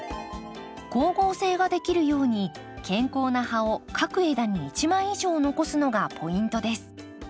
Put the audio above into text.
光合成ができるように健康な葉を各枝に一枚以上残すのがポイントです。